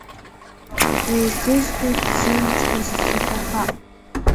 Еизызгоит сымчқәа сцәаҳәақәа!